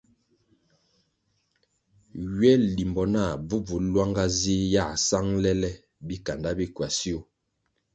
Ywe limbo nah bvubvu lwanga zih yā sangʼle le bikanda bi kwasio.